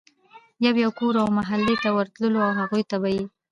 يو يو کور او محلې ته ورتلو او هغوی ته به ئي